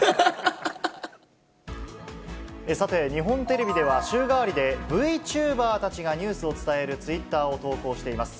さて、日本テレビでは週替わりでＶチューバーたちがニュースを伝えるツイッターを投稿しています。